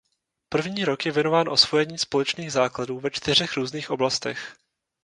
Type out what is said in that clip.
První rok je věnován osvojení společných základů ve čtyřech různých oblastech.